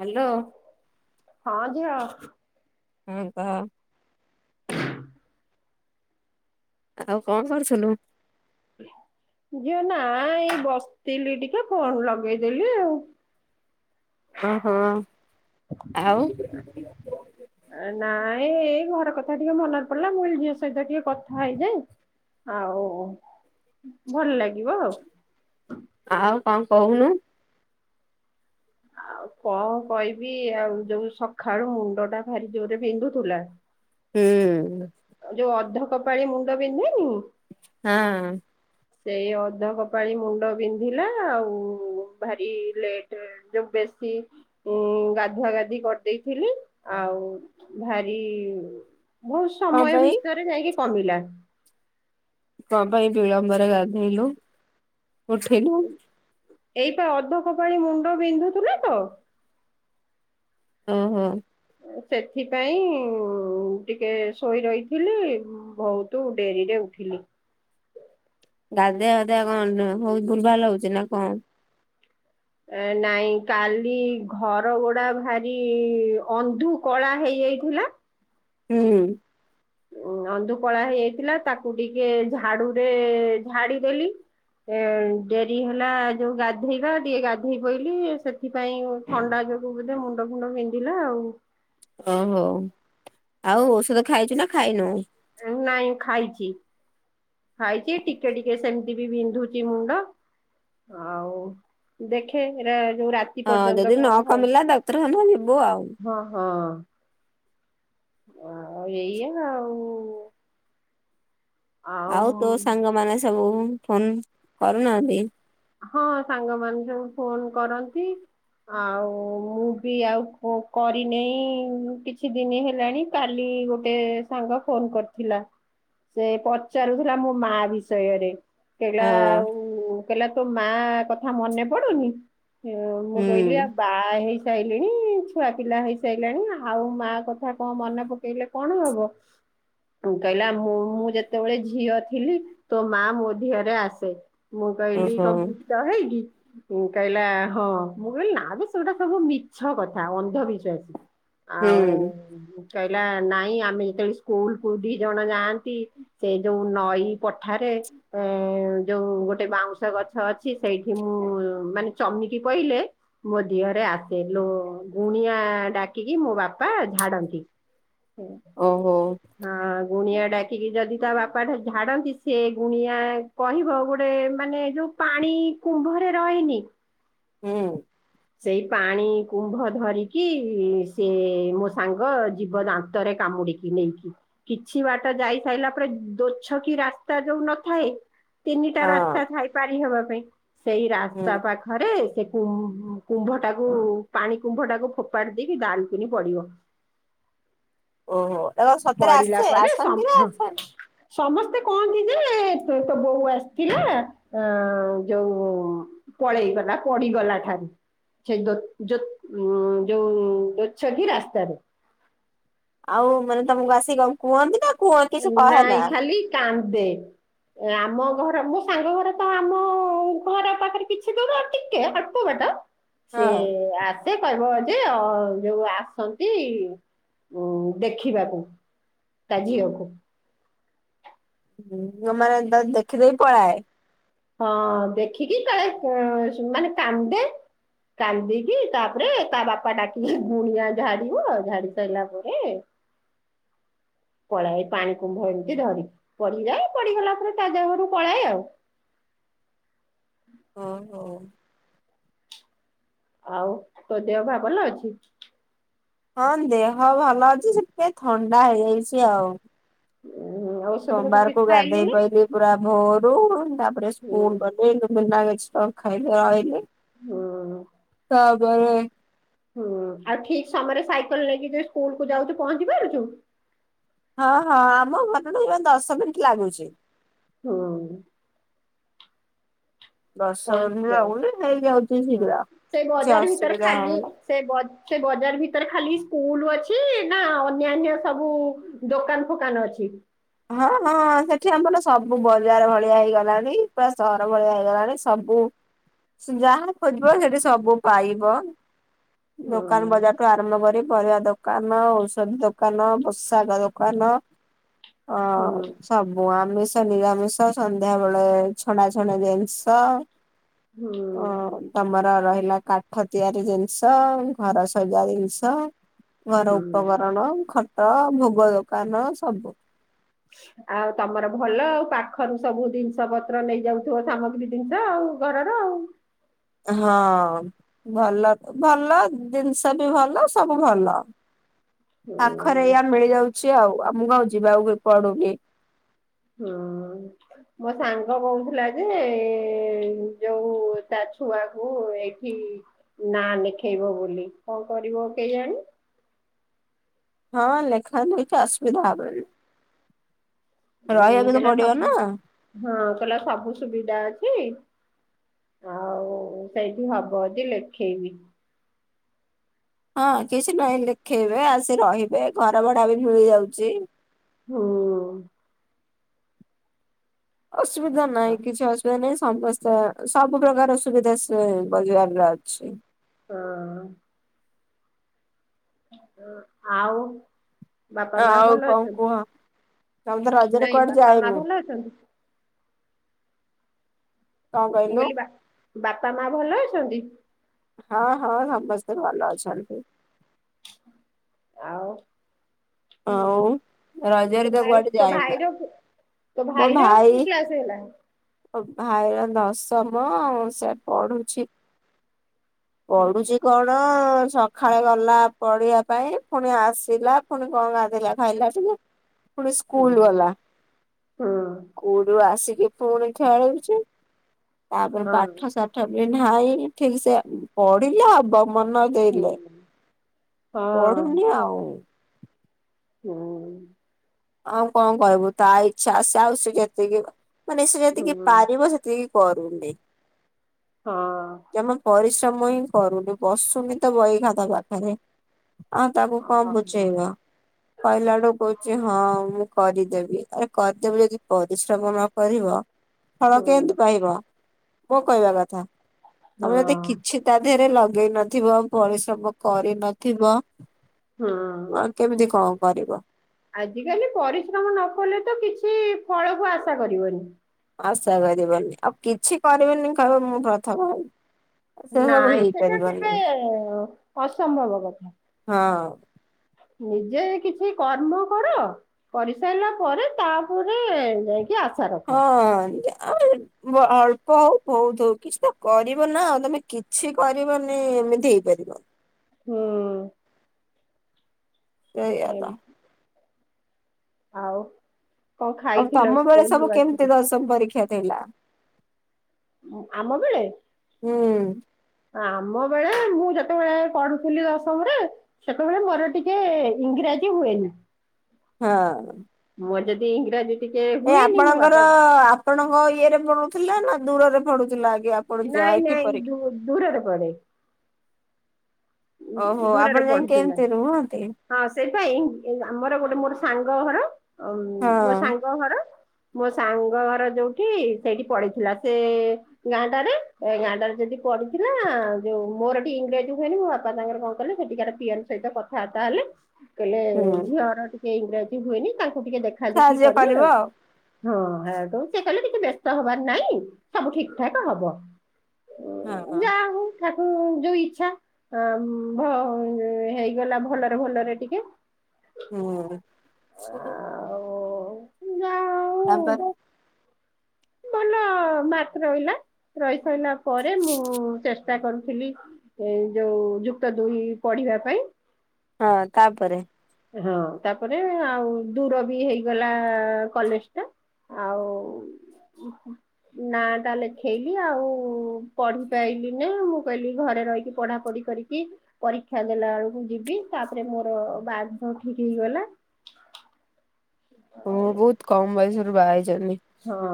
Hello ହଁ ଝିଅ। ହୁଁ କହ। [unintelligible] ଆଉ କଣ କରୁଥିଲୁ? ଝିଅ ନାଇଁ ଏଇ ବସିଥିଲି ଟିକେ ଫୋନ ଲଗେଇଦେଲି ଆଉ ଓହୋ, ଆଉ ନାଇଁ ଏଇ ଘର କଥା ଟିକେ ମନରେ ପଡିଲା ମୁଇ ଝିଅ ସହିତ ଟିକେ କଥା ହେଇଯାଏ। ଆଉ, ଭଲ ଲାଗିବ। ଆଉ। ଆଉ କଣ କହୁନୁ? ଆଉ କଣ କହିବି? ଆଉ ଯୋଉ ସକାଳୁ ମୁଣ୍ଡ ଟା ଭାରି ଜୋରରେ ବିନ୍ଧୁଥିଲା। ହୁଁ ଯୋଉ ଅଧ କପାଳି ମୁଣ୍ଡ ବିନ୍ଧେନି ଆଁ ସେଇ ଅଧ କପାଳି ମୁଣ୍ଡ ବିନ୍ଧିଲା ଆଉ ଭାରି ଲେଟରେ ଯଉ ବେଶୀ ଉଁ ଗାଧୁଆ ଗାଧୁ କରିଦେଇଥିଲି ଆଉ ଭାରି ବହୁତ କଣ ସମୟ ପାଇଁ ଭିତରେ ଯାଇକି କମିଲା। କଣ ପାଇଁ ବିଳମ୍ବରେ ଗାଧେଇଲୁ, ଉଠିଲୁ? ଏଇ ପାଇଁ ଅଧ କପାଳି ମୁଣ୍ଡ ବିନ୍ଧୁୁଥିଲା ତ ଓ ହୋ ସେଥିପାଇଁ ଟିକେ ଶୋଇ ରହିଥିଲି, ବହୁତ ତୁ ଡେରିରେ ଉଠିଲି। ଗାଧିଆ ଗାଧିଆ କଣ ହଉତ ଭୁଲ ଭଲ ଲାଗୁଛି ନା କଣ? ଏ ନାଇଁ କାଲି ଘର ଗୋଡା ଭାରି ଅନ୍ଧୁକଳା ହେଇଯାଇଥିଲା। ହୁଁ ଉ ଅନ୍ଧୁକଳା ହେଇଯାଇଥିଲା, ତାକୁ ଟିକେ ଝାଡୁରେ ଝାଡି ଦେଲି। ଏ ଡେରି ହେଲା ଯୋଉ ଗାଧେଇବା, ଟିକେ ଗାଧେଇ ପଇଲି ସେ ଏଥିପାଇଁ ଥଣ୍ଡା ଯୋଗୁ ବୋଧେ ମୁଣ୍ଡ ଫୁଣ୍ଡ ବିନ୍ଧିଲା ଆଉ। ଓହୋ, ଆଉ ଔଷଧ ଖାଇଛୁ ନା ଖାଇନୁ। ନାଇଁ ଖାଇଛି, ଖାଇଛି ଟିକେ ଟିକେ ସେମତି ବି ବିନ୍ଧୁଛି ମୁଣ୍ଡ ଆଉ ଦେଖେ ଯୋଉ ରାତି ହଁ ପର୍ଯ୍ୟନ୍ତ ଯଦି ନ କଣ ହଉ କମିଲା ଡକ୍ତରଖାନା ଯିବୁ ଆଉ ହଁ ହଁ ହଁ, ଏଇୟା ଆଉ ଆଉ ତୋ ସାଙ୍ଗମାନେ ସବୁ ଫୋନ କରୁନାହାନ୍ତି? ହଁ ସାଙ୍ଗ ମାନେ ସବୁ ଫୋନ କରନ୍ତି। ଆଉ ମୁଁ ବି ଆଉ କରିନେଇ କିଛି ଦିନ ହେଲାଣି। କାଲି ଗୋଟେ ସାଙ୍ଗ ଫୋନ କରିଥିଲା। ସେ ପଚାରୁଥିଲା ମୋ ମା ବିଷୟରେ। କହିଲ ହଁ ଆଉ କହିଲା ତୋ ମା କଥା ମନେ ପଡୁନି। ହଁ ମୁଁ କହିଲି ଆ ହୁଁ। ବା ହେଇସାରିଲିଣି ଛୁଆ ପିଲା ହେଇସାରିଲାଣି ଆଉ ମାଆ କଥା କଣ ମନେ ପକେଇଲେ କଣ ହବ। କହିଲା ମୁଁ ମୁଁ ଯେତେବେଳେ ଝିଅ ଥିଲି ତୋ ମା ମୋ ଦେହରେ ଆସେ। ମୁଁ କହିଲି ଓହୋ କଣ ଭୂତ ହେଇକି? କହିଲା ହଁ ମୁଁ କହିଲି ନା ବେ ସେଉଟା ସବୁ ମିଛ କଥା ଅନ୍ଧବିଶ୍ୱାସ। ହୁଁ କହିଲା ନାଇଁ ଆମେ ଯେତେବେଳେ ସ୍କୁଲ କୁ ଦି ଜଣ ଯାଆନ୍ତି। ସେ ଯୋଉ ନଈ ପଠାରେ ଏ ଯୋଉ ଗୋଟେ ବାଉଁଶ ଗଛ। ଛ ଅଛି ସେଇଠି ମୁଁ ମାନେ ଚମକି ପାଇଲେ ମୋ ଦିହରେ ଆସେ ଲୋ ଗୁଣିଆ ଡାକିକି ମୋ ବାପା ଝାଡନ୍ତି। ହୁଁ ଓହୋ। ହଁ ଗୁଣିଆ ଡାକିକି ଯଦି ତା ବାପା ଟା ଝାଡନ୍ତି ସେ ଗୁଣିଆ କହିବ ଗୋଟେ ମାନେ ଯୋଉ ପାଣି କୁମ୍ଭରେ ରହିନି। ହୁଁ। ସେଇ ପାଣି କୁମ୍ଭ ଧରିକି ସେ ମୋ ସାଙ୍ଗ ଜୀବ ଦାନ୍ତରେ କାମୁଡିକି? ନେଇକି କିଛି ବାଟ ଯାଇ ସାରିଲା ପରେ ଦୋ ଛକି ରାସ୍ତା ଯୋଉ ନଥାଏ। ତିନିଟା ହଁ ରାସ୍ତା ଥାଇପାରି ହେବା ପାଇଁ ସେଇ ହୁଁ। ରାସ୍ତା ପାଖରେ ସେକୁ କୁମ୍ଭ ଟାକୁ ପାଣି କୁମ୍ଭ ଟାକୁ ଫୋପାଡି ଦେଇକି ଡାଲକୁିନି ପଡିବ। ଓହୋ ଏବଂ ସତ୍ ପଡିଲା ପରେ ସମ୍ ସମସ୍ତେ କହନ୍ତି ଯେ ତ ତୋ ବୋଉ ଆସିଥିଲା ଆ ଯୋଉ ପଳେଇଗଲା ପଡିଗଲା ଠାରୁ ସେ ଦତ୍ ଯୋତ୍ ଯୋଉ ଦୋ ଛକି ରାସ୍ତାରେ। ଆଉ ମାନେ ତମକୁ ଆସିକି କଣ କୁହନ୍ତି ନା କୁହନ୍ତି କିଛି କହେ ନା। ନାଇଁ ଖାଲି କାନ୍ଦେ। ଆମ ଘରକୁ ତାଙ୍କ ଘରେ ତ ଆମ ଘର ପାଖରେ କିଛି ଦୁର ଟିକେ ଅଳ୍ପ ପ ବାଟ ହଁ। ସେ ଆ ମତ କହିବ ଯେ ଯୋଉ ଆସନ୍ତି ଉ ଦେଖିବାକୁ। ତା ଝିଅ କୁ। ରମା ନା ତ ଦେଖି ଦେଇ ପଳାଏ। ହଁ ଦେଖିକି କାଳେ ମାନେ କାନ୍ଦେ। କାନ୍ଦିକି ତାପରେ ତା ବାପା ଡାକି ଗୁଣିଆ ଝାଡିବ ଝାଡି ସାରିଲା ପରେ ପଳାଏ ପାଣି କୁମ୍ଭ ଏମିତି ଧରି ପଡିିଯାଏ ପଡିିଗଲା ପରେ ତା ଦେହରୁ ପଳାଏ ଆଉ। ହଁ ହଁ। ଆଉ ତୋ ଦେହ ବାହା ଭଲ ଅଛି। ହଁ ଦେହ ଭଲ ଅଛି ସେଥିପାଇଁ ଥଣ୍ଡା ହେଇଯାଇଛି ଆଉ। ହୁଁ ହୁଁ ଆଉ ସୋମବାରକୁ ଗାଧେଇ ପଇଲିି ପୁରା ଭୋରୁ ତାପରେ ହୁଁ ସ୍କୁଲୁ ଗଲି। ମୁଁ କହିଲି ନା ମିକ୍ଚର ଖାଇଲେ ଆଇଲି। ହୁଁ। କାହାକୁ କହିବି। ହୁଁ ଆଉ ଠିକ ସମୟରେ ସାଇକେଲ ନେଇକି ଯେ ସ୍କୁଲ କୁ ଯାଉଛୁ ପହଞ୍ଚି ପାରୁଛୁ। ହଁ ହଁ ଆମ ଘରଠୁ ପୁରା ଦଶ ମିନିଟ୍ ଲାଗୁଛି। ହୁଁ। ଦଶ ମିନିଟ୍ ପହଁଚି ଲାଗୁନି ହେଇଯାଉଛି ଯାଉ ହଁ ଶୀଘ୍ର। ସେ କିଛି ବଜାର ଭିତରେ ଅସୁବିଧା ଖାଲି ହଉନି। ସେ ବ ସେ ବଜାର ଭିତରେ ଖାଲି ସ୍କୁଲ ଅଛି ନା ଅନ୍ୟାନ୍ୟ ସବୁ ଦୋକାନ ଫୋକାନ ଅଛି। ହଁ ହଁ ସେଠି ଆମର ସବୁ ବଜାର ଭଳିଆ ହେଇଗଲାଣି ପୁରା ସହର ଭଳିଆ ହେଇଗଲାଣି ସବୁ ଯାହା ଖୋଜିବ ସେଠି ସବୁ ପାଇବ ଦୋକାନ ହଁ ବଜାରଠୁ ଆ କାମ କରି ପରିବା ଦୋକାନ ଔଷଧ ଦୋକାନ ପୋଷାକ ଦୋକାନ ଓ ହୁଁ ସବୁ ଆମେ ନିରାମିଷ ସନ୍ଧ୍ୟା ବେଳେ ଛଣା ଛଣି ଜିନିଷ। ହୁଁ। ଅ ତମର ରହିଲା କାଠ ତିଆରି ଜିନିଷ ଘର ସଜା ଜିନିଷ। ଘର ହୁଁ ଉପକରଣ ଖଟ ଭୋଗ ଦୋକାନ ସବୁ। ଆଉ ତମର ଭଲ ପାଖରୁ ସବୁ ଜିନିଷ ପତ୍ର ନେଇଯାଉଥିବ ସାମଗ୍ରୀ ଜିନିଷ ଆଉ। ଘରର ଆଉ। ହଁ ଭଲ ଭଲ ଜିନିଷ ବି ଭଲ ସବୁ ଭଲ। ହୁଁ ପାଖରେ ଏଇୟା ମିଳିଯାଉଛି ଆଉ ଆମକୁ ଆଉ ଯିବାକୁ ପଡୁନି। [inaudible] ମୋ ସାଙ୍ଗ କହୁଥିଲା ଯେ, ଯଉ ତା ଛୁଆକୁ ଏଠି ନା ନେଖେଇବ ବୋଲି, କ'ଣ କରିବ କେଜାଣି? ହଁ ଲେଖା ଅସ୍‌ବିଧା ହବନି। ରହିବାକୁ ତ ପଡିବ ନା। ହଁ କ--ଲା ସବୁ ସୁବିଦା ଅଛି। ଆଉ ସେଇଠି ହବ ଦି ଲେଖେଇବି। ହଁ କି---ନାହିଁ ଲେଖେଇବେ, ଆସି ରହିବେ, ଘର ଭଡ଼ା ବି ମିଳି ଯାଉଚି। [inaudible] ଅସୁବିଧା ହଁ। ନାହିଁ କିଛି। ସମସ୍ତ ସବୁ ପ୍ରକାର ସୁବିଧା ସେ ବଜାର୍ ରେ ଅଛି। [inaudible] [inaudible] ବାପା-ମା ଆଉ ଭଲ କଣ ଅଛନ୍ତି, କୁହ ତମେ ତ ରଜରେ ନାଇଁ କୁଆଡେ ବାପା-ମା ଯାଇନୁ ଭଲ ଅଛନ୍ତି? କଣ ମୁଁ କହିଲୁ? କଇଲି ବା ବାପା-ମା ଭଲ ଅଛନ୍ତି? ହଁ ହଁ, ସମସ୍ତେ ଭଲ ଅଛନ୍ତି। ଆଉ ରଜରେ ତ କୁଆଡେ ଯାଇନା। [inaudible] ତୋ ମୋ ଭାଇର ଭାଇ କ୍ଲାସ୍‌ ହେଲା? ଭାଇର ଦଶମ ସେ ପଢୁଛି। ହୁଁ ପଢୁଛି କ'ଣ ସଖାଳେ ଗଲା ପଢ଼ିବା ପାଇଁ, ଫୁଣି ଆସିଲା ଫୁଣି କ'ଣ ଗାଧେଇଲା ଖାଇଲା ଟିକେ ଫୁଣି ସ୍କୁଲ୍‌ ହୁଁ ଗଲା। ହଁ ଆସିକି ପୁଣି ଖେଳୁଚି। ତା'ପରେ ପାଠ ସା ଠିକ୍ ସେ ପଢ଼ିଲେ ହବ। ମନ ଲେ ହୁଁ ହଁ ପଢୁନି ଆଉ। [inaudible] ଆଉ ଙ୍କ କହିବୁ? ତା ଇଚ୍ଛା ସେ ଆଉ ସେ ଯେତିକି ମାନେ ସେ ହୁଁ ଯେତିକି ପାରିବ। ସେ [inaudible] ହଁ! ଜମା ପରିଶ୍ରମ ହିଁ କରୁନି, ବସୁନି ତ ବହି ଖାତା ପାଖେରେ। [inaudible] ହଁ ମୁଁ ହଁ କରିଦେବି, ଆରେ ଯଦି ପରିଶ୍ରମ ନ କରିବ। ହଁ ଫଳ କେନ୍ତି ହଁ। ପାଇବ? ମୋ କହିବା କଥା ତମେ ଯଦି କିଛି ତା 'ଦେହେରେ ଲଗେଇ ନଥିବ, ପରିଶ୍ରମ କରିନଥିବ। ହଁ। କେମିତି ଙ୍କ କରିବ? ଆଜିକାଲି ପରିଶ୍ରମ ନ କଲେ ତ କିଛି ଫଳକୁ ଆଶା କରିବନି। ଆଶା କରିବନି, ଆଉ କିଛି କରିବନି କହିବ ମୁଁ ପ୍ରଥମ ସେ ସବୁ ନାଇଁ, ସେଟା ହେଇପାରିବନି ଟିକେ ଅସମ୍ଭବ କଥା। ହଁ! ନିଜେ କିଛି କର୍ମ କର। କରି ସାଇଲା ପରେ ତା'ପରେ ଯାଇକି ଆ [inaudible] ଅଳ୍ପ ହଉ ଭଉତ୍ ହଉ କିଛି ତ କରିବ ନା, ତମେ କିଛି କରିବନି ଏମିତି ହେଇପାରିବ। [inaudible] ଏ [inaudible] ଆଉ ଙ୍କ ଆଉ ଖାଇଥିଲ ତମ ବେଳେ ସ୍କୁଲ୍ ସବୁ ରୁୁ ଆସିକି? [inaudible] ଆମ ବେଳେ। ହୁଁ। ଆମ ବେଳେ ମୁଁ ଯେତବଳେ ପଢୁଥିଲି ଦଶମ୍‌ରେ। ସେତବେଳେ ମୋର ଟିକେ ଇଂରାଜୀ ହୁଏନି। [inaudible] ମୋର ଯଦି ଇଂରାଜୀ ଟିକେ ଏ ହୁଏନି ମୋ ଆପଣଙ୍କର ବାପା ଆପଣଙ୍କ ଇଏରେ ପଡୁଥିଲା ନା ଦୂରରେ ପଡୁଥିଲା ଆଜ୍ଞା। ନାଇଁ ନାଇଁ ଦୂରରେ ପଢେ। ଓହୋ ଦୂରରେ ଆପଣ ଯାଇକି ପଢୁଥିଲା କେମିତି ରୁହନ୍ତି? ହଁ ସେଇପାଇଁ ଆମର ଗୋଟେ ମୋର ସାଙ୍ଗ ଘର ହଁ ମୋ ସାଙ୍ଗ ଘର ମୋ ସାଙ୍ଗ ଘର ଯୋଉଠି ସେଇଠି ପଡିିଥିଲା ସେ ଗାଁଟାରେ ଏ ଗାଁଟାରେ ଯଦି ପଢିଥିଲା ଯୋଉ ମୋର ଏଠି ଇଂରେଜୀ କୁ ହୁଅନି ମୋ ବା ବାପା ତାଙ୍କର କଣ କଲେ ସେଠିକାର ପିଅନ ସହିତ କଥାବାର୍ତା ହେଲେ କହିଲେ ହୁଁ ଝିଅର ଟେ ଇଂରାଜ ହୁଏନି ତାଙ୍କୁ ଟିକେ ଦେଖ। ସାହାଯ୍ୟ କରିବ ଆଉ। ହଁ ଆ ସେ କହିଲେ ଟିକେ ବ୍ୟସ୍ତ ହବାର ନାଇଁ ସବୁ ଠିକ ଠାକ ହବ। ଯା ହଉ ଠାକୁ ଯୋଉ ଇଚ୍ଛା। ଆ ହେଇଗଲା ଭଲରେ ଭଲରେ ଟିକେ ହୁଁ ଆଉ ଯାହା ହଉ ତାପରେ ଭଲ ମାର୍କ ରହିଲା ରହି ସାରିଲା ପରେ ମୁଁ ଚେଷ୍ଟା କରୁଥିଲି ଏ ଯୋଉ ଯୁକ୍ତ ଦୁଇ ପଢିବା ପାଇଁ ହଁ ତାପରେ ହଁ ତାପରେ ଆଉ ଦୂର ବି ହେଇଗଲା କଲେଜ ଟା ଆଉ ନା ତା ଲେଖେଇଲି ଆଉ ପଢିପାଇଲିନି ମୁଁ କହିଲି ଘରେ ରହିକି ପଢା ପଢି କରିକି ପରୀକ୍ଷା ଦେଲା ବେଳକୁ ଯିବି ତାପରେ ମୋର ବାହାଘର ଠିକ ହେଇଗଲା। ହ ଆଉ ବହୁତ କମ ବୟସରୁ ବାହ ହେଇଚ ତୁମେ। ହଁ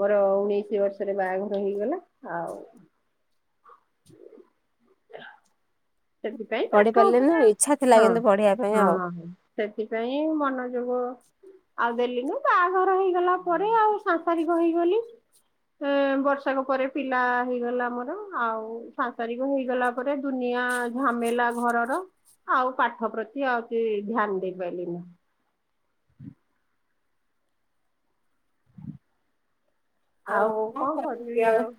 ମୋର ଉଣେଇଶି ବର୍ଷରେ ବାହାଘର ହେଇଗଲା ଆଉ ସେଥିପାଇଁ ପଢି ପାଠ ପାରିଲେନି ଆଉ ଉପରେ ଇଚ୍ଛା ଥିଲା ହଁ କିନ୍ତୁ ପଢିବା ପାଇଁ ଆଉ। ହଁ ସେଥିପାଇଁ ମନୋଯୋଗ ଆଉ ଦେଲି ନୁ ବାହାଘର ହେଇଗଲା ପରେ ଆଉ ସାଂସାରିକ ହେଇଗଲି। ଏ ବର୍ଷକ ପରେ ପିଲା ହେଇଗଲା ଆମର ଆଉ ସାଂସାରିକ ହେଇଗଲା ରେ ଦୁନିଆ ଝାମେଲା ଘରର। ଆଉ ପାଠ ପ୍ରତି ଆଉ କି ଧ୍ୟାନ ଦେଇପାରିଲିନି। ଆଉ କଣ କରିଲୁ ଆଉ?